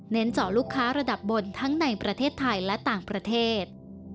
เจาะลูกค้าระดับบนทั้งในประเทศไทยและต่างประเทศ